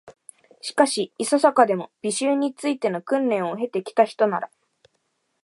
しかし、いささかでも、美醜に就いての訓練を経て来たひとなら、